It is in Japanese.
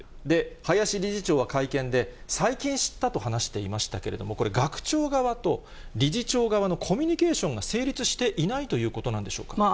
林理事長は会見で、最近知ったと話していましたけれども、これ、学長側と理事長側のコミュニケーションが成立していないということなんでしょうか。